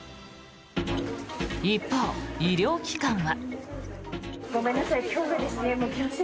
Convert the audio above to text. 一方、医療機関は。